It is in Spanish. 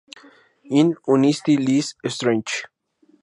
In unity lies strength.